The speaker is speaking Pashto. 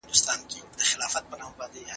که زده کوونکی پریکړه وکړي نو مسولیت یې هم مني.